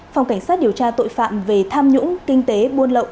phòng cảnh sát điều tra tội phạm về tham nhũng kinh tế buôn lậu